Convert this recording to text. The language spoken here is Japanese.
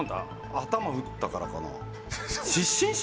頭打ったからかな。